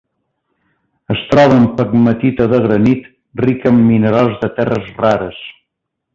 Es troba en pegmatita de granit rica en minerals de terres rares.